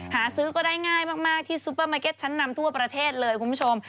หาซื้อก็ได้ง่ายมากที่ซุปเปอร์มาร์เก็ตชั้นนำทั่วประเทศเลยคุณผู้ชม